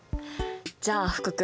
じゃあ福君！